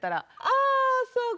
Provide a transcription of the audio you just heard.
あそうか。